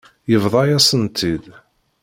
Yebḍa-yasen-tt-id.